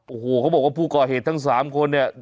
โอ้โหเขาบอกว่าผู้ก่อเหตุทั้ง๓คนเนี่ย